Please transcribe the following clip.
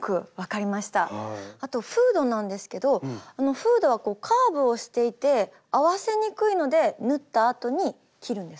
あとフードなんですけどフードはこうカーブをしていて合わせにくいので縫ったあとに切るんですか？